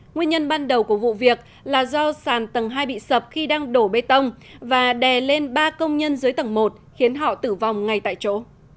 nguyên nhân ban đầu của vụ việc là do sàn tầng hai bị sập khi đang đổ bê tông và đè lên ba công nhân dưới tầng một khiến họ tử vong ngay tại chỗ